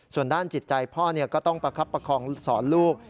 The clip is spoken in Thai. ส่วนด้านจิตใจพ่อก็ต้องประคับประคองสอนลูก